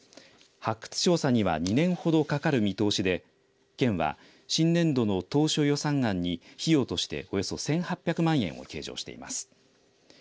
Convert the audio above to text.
発掘調査には２年ほどかかる見通しで県は、新年度の当初予算案に費用としておよそ１８００万円を計上しています。